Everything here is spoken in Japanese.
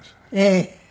ええ。